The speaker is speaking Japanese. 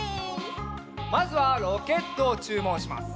まずはロケットをちゅうもんします。